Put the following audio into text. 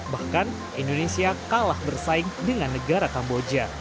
bahkan indonesia kalah bersaing dengan negara kamboja